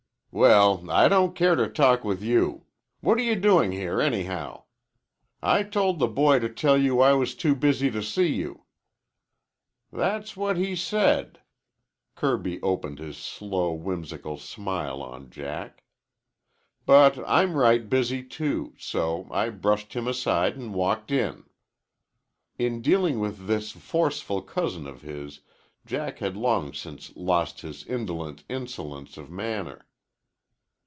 "Well, I don't care to talk with you. What are you doing here anyhow. I told the boy to tell you I was too busy to see you." "That's what he said." Kirby opened his slow, whimsical smile on Jack. "But I'm right busy, too. So I brushed him aside an' walked in." In dealing with this forceful cousin of his, Jack had long since lost his indolent insolence of manner.